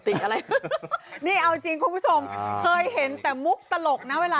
ตอนนี้คุณผู้ชมไม่เห็นเชอรี่แล้วนะ